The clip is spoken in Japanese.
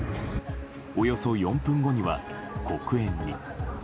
およそ４分後には黒煙に。